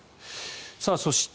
そして、